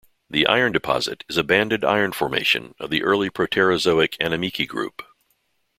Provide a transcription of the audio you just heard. The iron deposit is a banded iron formation of the Early Proterozoic Animikie Group.